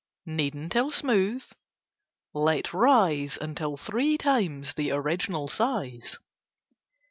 Knead until smooth. Let rise until three times the original size.